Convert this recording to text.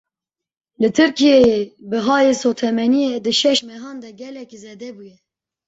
Li Tirkiyeyê bihayê sotemeniyê di şeş mehan de gelekî zêde bûye.